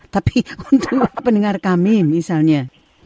tapi untuk pendengar kami misalnya